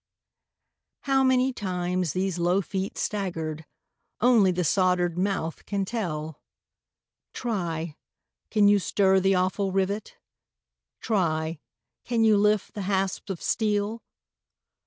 How many times these low feet staggered, Only the soldered mouth can tell; Try! can you stir the awful rivet? Try! can you lift the hasps of steel?